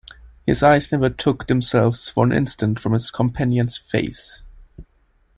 His eyes never took themselves for an instant from his companion's face.